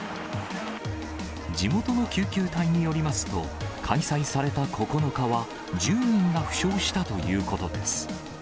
地元の救急隊によりますと、開催された９日は、１０人が負傷したということです。